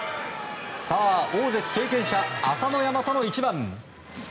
さあ、大関経験者朝乃山との一番。